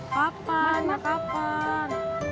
kapan ya kapan